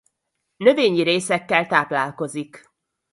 Növényi részekkel táplálkozik.